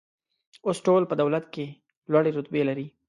اوس ټول په دولت کې لوړې رتبې لري